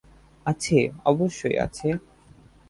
আছে অবশ্যই আছে।